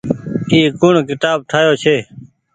اي ڪوڻ ڪيتآب ٺآيو ڇي